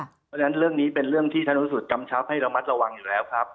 เพราะฉะนั้นเรื่องนี้เป็นเรื่องที่ธนสุทธิกำชับให้ระมัดระวังอยู่แล้วครับ